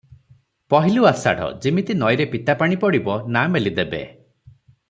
ପହିଲୁ ଆଷାଢ଼, ଯିମିତି ନଈରେ ପିତାପାଣି ପଡ଼ିବ, ନାଆ ମେଲି ଦେବେ ।